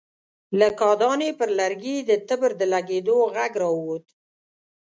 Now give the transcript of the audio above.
له کاهدانې پر لرګي د تبر د لګېدو غږ را ووت.